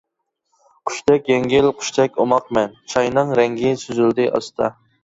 قۇشتەك يەڭگىل قۇشتەك ئوماق مەن، چاينىڭ رەڭگى سۈزۈلدى ئاستا.